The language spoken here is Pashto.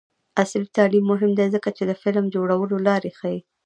عصري تعلیم مهم دی ځکه چې د فلم جوړولو لارې ښيي.